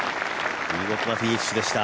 見事なフィニッシュでした。